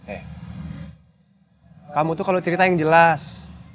eh kamu tuh kalau cerita yang jelas